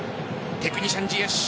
テクニシャン・ジエシュ。